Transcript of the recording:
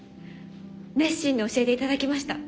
熱心に教えていただきました。